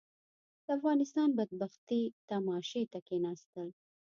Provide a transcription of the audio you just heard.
د افغانستان بدبختي تماشې ته کښېناستل.